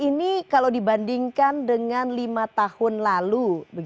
ini kalau dibandingkan dengan lima tahun lalu